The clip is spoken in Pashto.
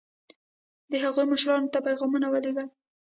د هغوی مشرانو ته یې پیغامونه ولېږل.